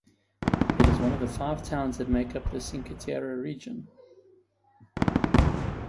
It is one of the five towns that make up the Cinque Terre region.